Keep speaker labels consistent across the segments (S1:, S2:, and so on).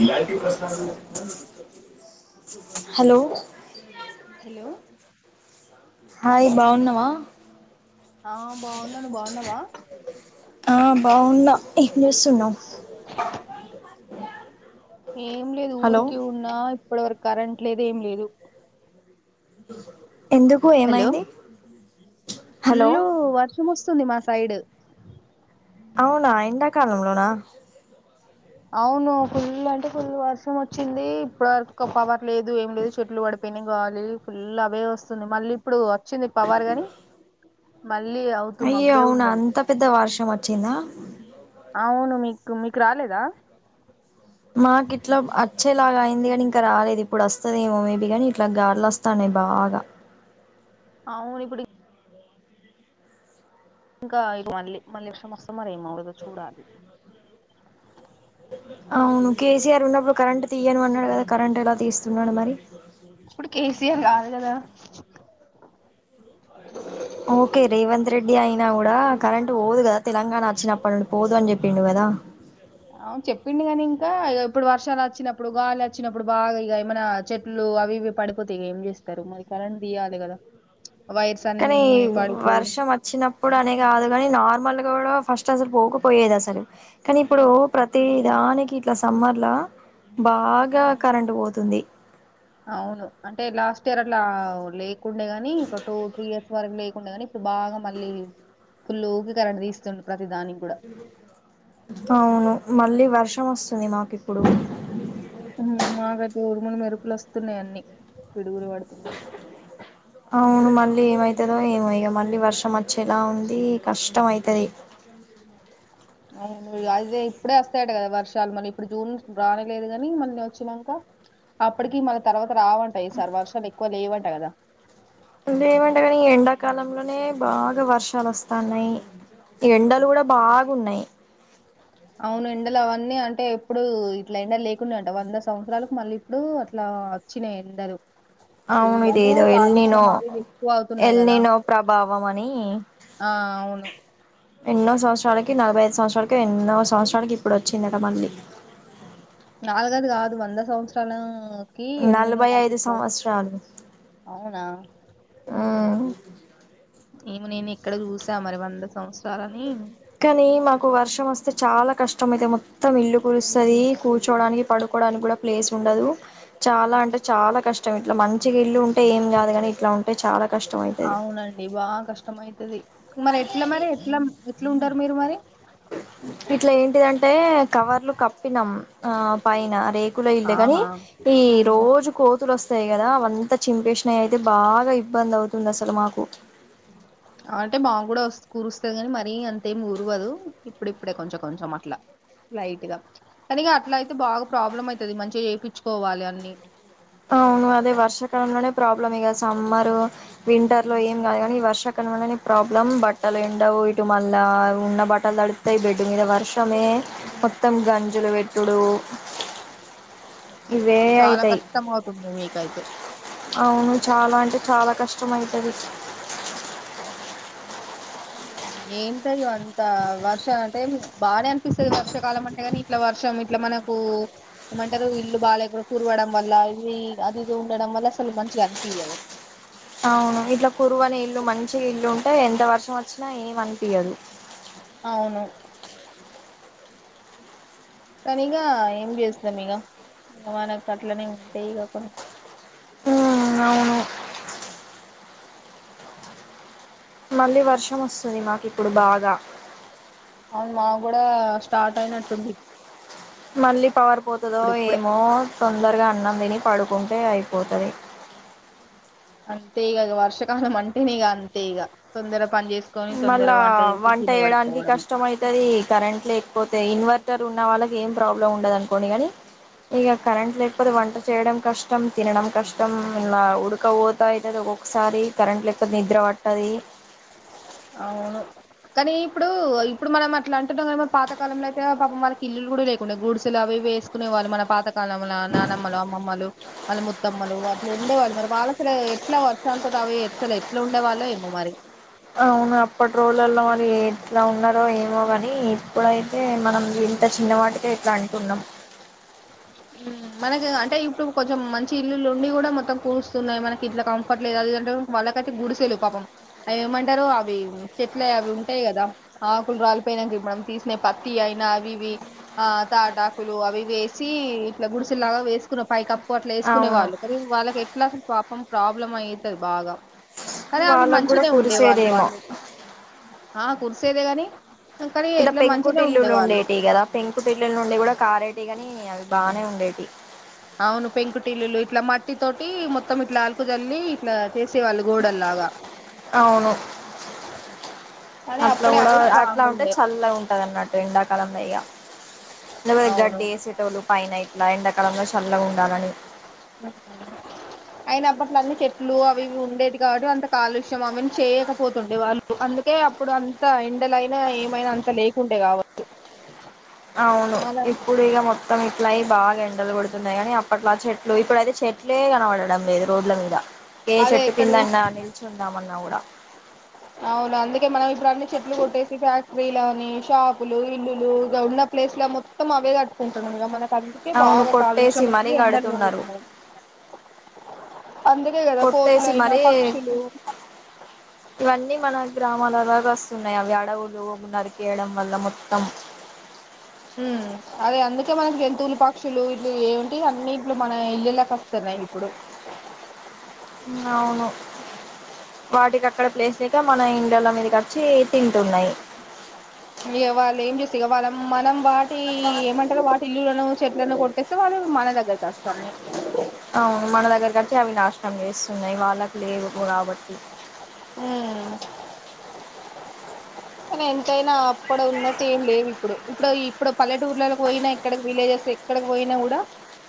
S1: నిన్నటి present [unintelligible] hello
S2: hello
S1: hi బాగున్నావా
S2: ఆ బాగున్నాను బాగున్నావా
S1: ఆ బాగున్నా ఏం చేస్తున్నావ్
S2: ఏం లేదు
S1: హలో
S2: ఊరికే ఉన్నా ఇప్పటి వరకు కరెంట్ లేదు ఏం లేదు
S1: హు ఎందుకు ఏమైంది హలో
S2: ఫుళ్ళు వర్షం వస్తుంది వస్తుంది మా సైడ్
S1: అవునా ఎండాకాలంలోనా
S2: అవును ఫుల్ అంటే ఫుల్ వర్షం వచ్చింది ఇప్పుడు వరకు పవార్ లేదు ఏం లేదు చెట్లు పడిపోయినా గాలి ఫుల్ అవే వస్తుంది మళ్ళీ ఇప్పుడు వచ్చింది పవార్ గాని మళ్ళీ అవుతూ
S1: అయ్యో
S2: మబ్బే
S1: అవునా
S2: ఉన్నది
S1: అంత పెద్ద వార్షం అ చిన్న
S2: అవును మీ మీకు రాలేదా
S1: మాకు గిట్లా వచ్చేలాగా అయింది కాని ఇంకా రాలేదు ఇప్పుడు వస్తదేమో మేబీ గాని ఇట్లా గాడలు వస్తాన్నాయి బాగా
S2: అవును ఇప్పుడు ఇంకా మళ్లీ వర్షం వస్తుందో ఇంకా చూడాలి
S1: అవును కేసీఆర్ ఉన్నప్పుడు కరెంట్ తీయను అన్నాడు కదా కరెంటు ఎలా తీస్తున్నాడు మరి
S2: ఇప్పుడు కేసీఆర్ గాదు గదా
S1: ఓకే రేవంత్ రెడ్డి అయినా కూడా కరెంట్ పోదు కదా తెలంగాణ ప పోదు అంట చె
S2: అవును చెప్పిండు కాని ఇంకా ఇకా ఇప్పుడు వర్షాలు వచ్చినప్పుడు గాలి వచ్చినప్పుడు బాగా ఇక ఏమైనా చెట్లు అవి ఇవి పడిపోతా ఇక ఏం చేస్తారు మరి కరెంట్ తీియాలి కదా వైర్స్ అన్ని
S1: కానీ
S2: పడిపోయి
S1: వర్షం వచ్చినప్పుడు అనే కాదు కాని నార్మల్ కూడా ఫస్ట్ అసలు పోకపోయేది అసలు కానీ ఇప్పుడు ప్రతి దానికి ఇట్లా సమ్మర్ లో బాగా కరెంట్ పోతుంది
S2: అవును అంటే లాస్ట్ ఇయర్ అట్లా లేక్ ఇలే ని ఒక టూ త్రీ ఇయర్స్ వరకు లే గాని ఇప్పుడు బాగా మళ్ళీ ఫుల్లు ఊకి కరెట్ తీస్తుండు ప్రతి దానికి కూడా
S1: అవును మళ్ళీ వర్షంస్తు చని మాకు ఇప్పుడు
S2: ఉమ్, మాకైతే ఉరుములు మెరుపులు వస్తున్నాయి అన్నిీ పిడుగులు పడుతునాయి
S1: అవును మళ్ళీ ఏమవుతుందో ఏమో ఇక మళ్ళీ వర్షం వచ్చేలా ఉంది కష్టం అయితది
S2: అవును అదే ఇప్పుడే వస్తాయట కదా వర్షాలు మళీ ఇప్పుడు జూన్ రానిలేదు కాని మళ్ళ వచ్చినాక అప్పటికి మళ్ళీ తర్వాత రావంట ఈసారి వర్షాలు ఎక్కువ లేవంట కదా
S1: ఇ ఏమంటే కానీ ఈ ఎండాకాలంలోనే బాగా వర్షాలు వస్తాన్నాయి ఎండలు కూడా బాగున్నాయి
S2: అవును ఎండలు అవన్నీ అంటే ఎప్పుడు ఇట్లా ఎండలు లేకుడాయంట వంద సంవత్సరాలకు మళ్ళీ ఇప్పుడు అట్లా వచ్చినాయి ఎండలు ఫుల్
S1: అవును ఇద
S2: అంటే
S1: ఏదో ఎళ్ళనో
S2: కాలుష్యం అవి ఇవి ఎక్కువ అవుతున్నాయి కదా
S1: ఎళ్ళనో ప్రభావం అని
S2: ఆ అవును
S1: ఎన్నో సంవత్సరాల నలభై ఐదు సంవత్సరాలకు ఎన్నో సంవత్సరాలకి ఇప్పుడు వచ్చిందటా మళ్ళీ
S2: నాలుగది కాదు వంద సంవత్సరాల
S1: నలభై ఐదు సంవత్సరాలు
S2: అవునా
S1: మ్మ్
S2: ఏమి నేను ఇక్కడ చూసా మరి వంద సంవత్సరాలని
S1: కానీ మాకు వర్షం వస్తే చాలా కష్టం అయితే మొత్తం ఇల్లు కురుస్తుది కూర్చోడానికి పడుకోడానికి కూడా ప్లేస్ ఉండదు చాలా అంటే చాలా కష్టం ఇట్లా మంచిగా ఇల్లు ఉంటే ఏం కాదు కాని ఇట్లా ఉంటే చాలా కష్టం అయితది
S2: అవునండి బాగా కష్టం అవుతుది మరి ఎట్లా మరి ఎట్లా ఎట్లంట మరి మీరు మరి
S1: ఇట్లా ఏంటిదంటే కవర్లు కప్పినాం ఆ పైన రే కులా ఇల్లే కాని
S2: ఆహా
S1: ఈ
S2: ఉమ్
S1: రోజు కో కురుస్తాయి కథ అవి అంత చింపేసినాయి అయితే బాగా ఇబ్బంది అవుతుంది అసలా మాకు
S2: అంటే మాక్ కూడా కురుస్తాయి కాని మరీ అంతేమి గురవదు ఇప్పుడిప్పుడే కొంచెం కొంచెం అట్లా లైట్ గా కానీక అట్లా అయితే బాగా ప్రాబ్లమ్ అయితది మంచిగా చేయించుకోవాలి అన్నిీ
S1: అవును అదే వర్షాకాలంలోనే ప్రాబ్లం ఇక సమ్మర్ వింటర్ లో ఏం కాదు కానీ ఈ వర్షాకాలంంలోనే ప్రాబ్లం బట్టలు ఎండవు ఇటు మళ్ళా ఉన్న బట్టలు తడుపుతాయి బెడ్ మీద వర్షమే మొత్తం గంజులు పెట్టుడు ఇవే
S2: చాలా
S1: అయితాయి
S2: కష్టం అవుతుంది మీకైతే
S1: అవును చాలా అంటే చాలా కష్టమ అయితది
S2: ఏంటయ్య అంత వర్షం అంటే బాగానే అనిపిస్తది వర్షాకాలం అంటే కానీ ఇట్లా వర్షం ఇట్లా మనకు ఏమంటారు ఇల్లు బాగా ఎకుడ కురవడం వల్ల ఇది అది ఇది ఉండడం వల్ల అసలు మంచిగా అనిపియదు
S1: అవును ఇట్లా కురువని ఇల్లు మంచి ఇల్లు ఉంటే ఎంత వర్షం వచ్చినా ఏమి అనిపయదు
S2: అవును కానీ ఇక ఏం చేస్తున్నాాం ఇక మనకు అట్లనే ఉంటాయి ఇక కొన్ని
S1: ఉ అవును మళ్ళీ వర్షం వస్తుంది మాకు ఇప్పుడు బాగా
S2: అవును మా కూడా స్టార్ట్ అయినట్టుంది
S1: మల్లి పవర్ పోతుందో
S2: ఇప్పుడిప్పుడే
S1: ఏమో తొందరగా అన్నాం దిని పడుకుంటే అయిపోతుంది
S2: అంతే ఈ వర్షకాలం మంటనిీగా అంతే ఈగ తొందర పని చేసుకొని తొందర
S1: మళ్ళా
S2: చేసుకొని
S1: వంట
S2: తిని
S1: వేయడానికి
S2: పడుకోవడమే
S1: కష్టం అవుతది కరెంట్ లే కపోతే ఇన్వర్టర్ ఉన్న వాళ్ళకి ఏం ప్రాబ్లం ఉండదు అనుకోండి గానీ ఇక కరెంట్ లేకపోతే వంట చేయడం కష్టం తినడం కష్టం ఇలా ఉడకపోతా అవుతుంది ఒక్కొక్కసారి కరెంట్ లేకపోతే నిద్ర పట్టంది
S2: అవును కానీ ఇప్పుడు ఇప్పుడు మనం అట్లా అంటున్నాం కానీ మరి పాతకాలంలో అయితే పాపం వాళ్ళకి ఇల్లు కూడా లేకుంండే గ గుడిసెలు అవి వేసుకునే వాళ్ళు మన పాతకాలం నానమ్మలు అమ్మమ్మలు వాళ్ళ ముత్తమ్మలు అట్లా ఉండేవాళ్ళు మరి వాళ్ళు అసలు ఎట్లా వర్షాలతోటి అవి అసలు ఎట్లా ఉండే వాళ్ళో ఏమో మరి
S1: అవును అప్పటి రోలర్లో మరి ఎట్లా ఉన్నారో ఏమో కాని ఇప్పుడైతే మనం ఇంత చిన్న వాటిక ఇట్లా అంటున్నాము
S2: మనకి అంటే ఇప్పుడు కొంచెం మంచి ఇల్లులు ఉండి కూడా మొత్తం కూర్స్తున్నాయి మనకి ఇట్లా కంఫర్ట్ లేదు అదింటే వాళ్ళకట్టి గుడిసెలు పాపం అవి ఏమంటారు అవి చెట్లే అవి ఉంటాయి కదా ఆకులు రాలిపోయినానికి మనం తీసినే పత్తి అయినా అవి ఇవి ఆ తాటాకులు అవివి వే వచ్చి ఇట్లా గుడిసెలాగా వేసుకున్న పై కప్పు అట్లా వేసుకునే
S1: అవును
S2: వాళ్ళు కానీ వాళ్ళకి ఎట్లా అస పం ప్రాబ్లం అయితది బాగా కానీ అవి
S1: వాళ్ళకు కూడా
S2: మంచిిన ఉండేవాళ్ళు
S1: కురిసేదేమో
S2: వాళ్ళు ఆ కురిసేదే కాని
S1: ఇంకా పెంకుటిల్లులు ఉండేటి కదా పెంకుటిల్లు నుండి కూడా కారేటిగాని అవి బానే ఉండేది
S2: అవును పెంకుటిల్లులు ఇట్లా మట్టి తోటి మొత్తం ఇట్లా ఆలుకుజల్లి ఇట్లా చేసేవాళ్ళు గోడల్లాగా
S1: అవును
S2: కానీ
S1: అట్లా
S2: అప్పుడే
S1: కూడా
S2: అవే
S1: అట్లా
S2: స్ట్రాంగ్
S1: ఉంటే
S2: ఉండే
S1: చల్ల ఉంటది అన్నట్ెండ్ క
S2: అవును
S1: గడ్డటలు పైన ఇట్లా ఎండ కాలంలో చల్ల ఉండాలని
S2: అయిన అప్పట్ల అన్నీ చెట్లు అవి ఇ ఉండేది కాబట్టి అంత కాలుష్యం అవన్నీ చేయకపోతుండే వాళ్ళు అందుకే అప్పుడు అంత ఎండలైనా ఏమైనా అంత లేకుండే కావుచూ
S1: అవును ఇప్పుడు ఇగ మొత్తం ఇట్లా అయి బాగా ఎండలు గొడుతున్నాయి కానీ అప్పట్లా చెట్లు ఇప్పుడ అయితే చెట్లు చెట్లేలే కనపడడం లేదు రోడ్ల మీద ఏ
S2: అదే
S1: చెట్టు
S2: ఎక్కడ
S1: కింద
S2: చూ
S1: అన్న నిచుందాంమన్నా కూడా అ
S2: అవును అందుకే మనం ఇప్పుడు అన్ని చెట్లు కొట్టేసి ఫ్యాక్టరీల ని షాపులు ఇల్లులు ఇగ ఉన్న ప్లేస్ లో మొత్తం అవే కట్టుకుంటున్నా మనం అందుకే
S1: అవును
S2: బాగా
S1: కొట్టేసి
S2: కాలుష్యం
S1: మరీ
S2: అయ్యి ఎండలు
S1: కడుతున్నారు
S2: పెరుగుతున్నాయి అందుకే కదా
S1: కొట్టేసి
S2: కోతులైనా
S1: మరి
S2: పక్షులు
S1: ఇవన్నీ మన గ్రామం మలగా వస్తున్నాయి అవి అడవులు నరికేయడం వల్ల మొత్తం
S2: ఉ అదే అందుకే మనకి జంతువుల పక్షులు ఇల్లు ఏమింటి అన్ని ఇట్లు మన ఇల్లులకి వస్తున్నాయి ఇప్పుడు
S1: అవును వాటికి అక్కడ ప్లేస్ లేక మన ఇల్లుల మీద కచ్చి తింటున్నాయి
S2: వాళ్ళు ఏం చేస్తే వాళ్ళ మనం వాటి ఏమంటారు వాటి ఇల్లులను చెట్లను కొట్టేస్తే వాళ్ళను మన ద ఇలా కాస్తన్నయ్
S1: తే అవి నాశనం చేస్తున్నాయి. వాళ్ళకు లేవు కాబట్టి
S2: హ్మ్ కానీ ఎంతైనా అప్పుడు ఉన్నట్టు ఏం లేవు. ఇప్పుడు ఇప్పుడో ఇప్పుడో పల్లెటూర్లలోకి పోయిన ఇక్కడికి విలేజెస్ ఇక్కడకి పోయినా కూడా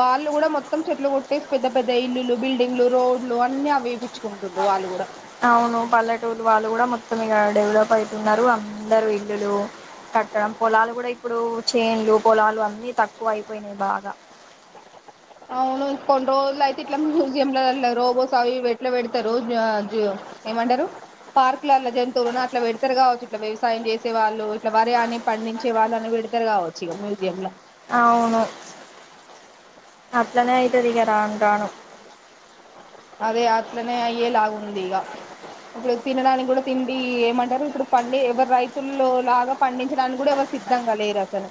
S2: వాళ్ళు కూడా మొత్తం చెట్లు కొట్టేసి పెద్ద పెద్ద ఇల్లులు, బిల్డింగ్లు, రోడ్లు, అన్ని అవి వేపించుకుంటుర్రు వాళ్ళు కూడా
S1: అవును పల్లెటూరు వాళ్ళు కూడా మొత్తం ఇక డెవలప్ అయితున్నారు అందరు ఇల్లులు కట్టడం. పొలాలు కూడా ఇప్పుడు చేన్లు పొలాలు అన్ని తక్కువ అయిపోయినాయి బాగా
S2: అవును కొం రోడ్లు అయితే ఇట్లా మ్యూజియం లో వెళ్లరో ఓసారి ఇవి ఎట్లా పెడతారో ఆ రోడ్ల అజ్ ఏమంటారు. పార్క్ ఇట్లా అలా జంతువులను అట్లా పెడతరు కావచ్చు. వ్యవ్ వ్యవసాయం చేసే వాళ్ళు ఇట్లా వరి అని పండించే వాళ్ళు అన్ని పెడతరు కావ శివ మ్యూజియం లా
S1: అవును అట్లనేయితది ఇగ రాను రాను
S2: అదే అట్లనే అయ్యేలాగా ఉంది. ఇగ ఇప్పుడు తినడానికి కూడా తిండి ఈ ఏమంటారు. ఇప్పుడు పండి ఎవరు రైతుల్లో లాగా పండించడానికి కూడా ఎవరు సిద్ధంగా లేరు. అసలు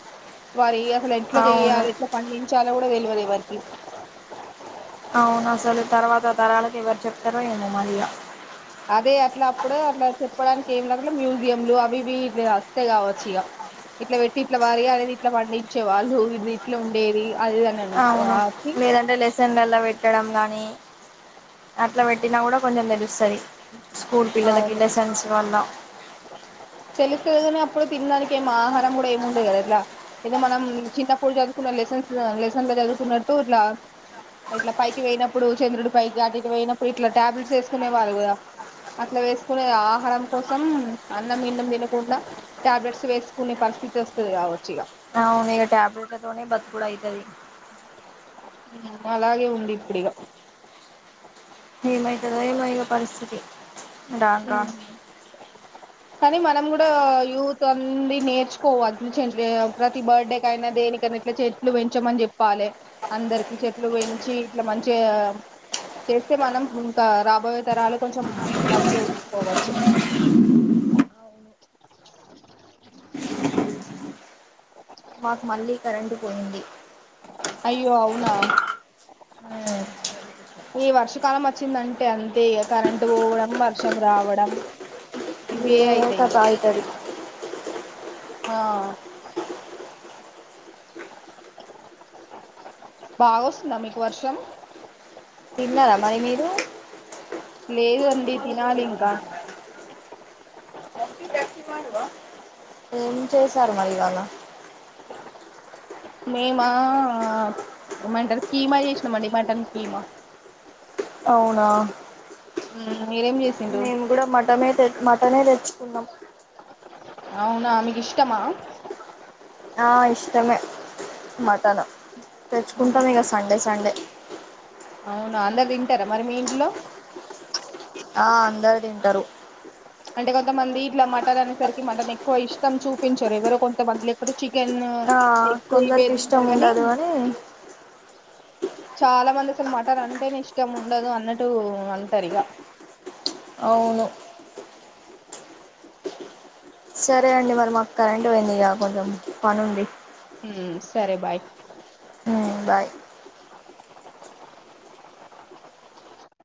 S2: వరి అసలు ఎట్లా
S1: అవును
S2: చేయాలి. ఎట్ల పండించాలో కూడా తెలువదు ఎవర్ ఇ
S1: అవును అసలు తర్వాత తరాలకి ఎవరు చెప్తారో ఏమో మరి ఇగ
S2: అదే అట్లా అప్పుడు అట్లా చెప్పడాన్ ఏం [unintelligible] మ్యూజియంలు అవి ఇవి వేఆజ్ అంతే కావచ్చు ఇక ఇట్లా పెట్టి ఇట్లా వరీ అనేది. ఇట్లా వండిచ్చే వాళ్ళు ఇవి ఇట్లా ఉండేవి.
S1: అవును లేదంటే లెసన్లాల్ల వేట్ పెట్టడం కానీ అట్లా పెట్టినా కూడా కొంచెం తెలుస్తది. స్కూల్ పిల్లలకి లెసెన్స్ వల్ల
S2: తెలుస్తదిలే కాని అప్పుడు తినడానికి ఏం ఆహారం కూడా ఏమి ఉండేది. కదా అట్లా ఏదో మనం చిన్నప్పుడు చదువుకున్న లెసన్స్ లా లెసన్ లో చదువుకున్నట్టు ఇట్లా ఆ ఇట్లా పైకి పోయినప్పుడు చంద్రుడి పైకి అటు ఇటు పోయినప్పుడు ఇట్లా టాబ్లెట్స్ వేసుకునే వాళ్ళు కదా అట్లా వేసుకునే ఆహారం కోసం అన్నం మిన్నం తినకొండా టాబ్లెట్స్ వేసుకునే పరిస్థితి వస్తుది. కావ
S1: అవునే ఇగ ట్యాబలేట్తోని ట్యాబ్లెట్లతోనే బతుకుడాయితది.
S2: అలాగే ఉంది. ఇప్పుడు ఇగా
S1: ఏమైతదో ఏమో వీళ్ళ పరిస్థితి. రాను
S2: ఉమ్మ్
S1: రాను
S2: కానీ మనం కూడా యూత్ అంది. నేర్చుకోవాలి [unintelligible] ప్రతి బర్త్డే కయినా దేనికనా ఇట్లా చెట్లు పెంచమని చెప్పాలే. అందరికి చెట్లు పెంచి ఇట్లా మంచిగా చేస్తే మనం ఇంకా రాబోయే తరాలు కొంచెం మన్ చవ్ పోవచ్చు.
S1: మాకు మళ్ళీ కరెంటు పోయింది.
S2: అయ్యో అవునా ఏ వర్ష కాలం వచ్చిందంటే అంతే ఇగ కరెంట్ పోవడం వర్షం రావడం ఇవే అయితాయి ఇక
S1: ఏదోకటయితది
S2: ఆ బాగా వస్తుందా మీకు వర్షం
S1: తిన్నరా మారి మీరు
S2: లేదండి తినాలి ఇంకా
S1: ఏం చేసారు మరిగాన్న
S2: మేమా ఏమంటారు కీమా చేసినాం అండి మటన్ కీమా
S1: అవునా
S2: మ్మ్
S1: నేను కూడా మటనే పె మటనే తెచ్చుకున్నం
S2: అవునా మీకు ఇష్టమా
S1: ఆ ఇష్టమే మటన్ తెచ్చుకుంటాం ఇగ సండే సండే
S2: అవును అందరు తింటారా మరి మీ ఇంట్లో
S1: ఆ అందరు తింటారు
S2: అంటే కొంతమంది ఇట్లా మటన్ అనేసరికి మటన్ ఎక్కువ ఇష్టం చూపించరు ఎవరో కొంతమంది ఎప్పుడ చికెన్
S1: ఆ
S2: ఎగ్స్ ఇవే
S1: కొందరికి ఇష్టం
S2: తింటరు గానీ
S1: ఉండదు అని
S2: చాలా మంది అసలు మటన్ అంటేనే ఇష్టం ఉండదు అన్నట్టు అంటారు ఇగ
S1: అవును సరే అండి మరి మాకు కరెంట్ పోయింది ఇక కొంచెం పనుంది
S2: ఉమ్ సరే బాయ్
S1: మ్మ్ బాయ్